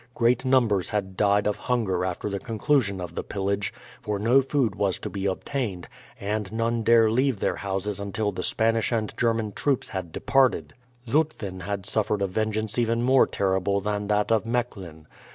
Great numbers had died of hunger after the conclusion of the pillage; for no food was to be obtained, and none dare leave their houses until the Spanish and German troops had departed. Zutphen had suffered a vengeance even more terrible than that of Mechlin.